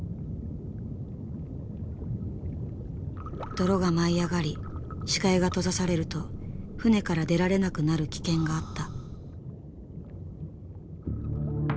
泥が舞い上がり視界が閉ざされると船から出られなくなる危険があった。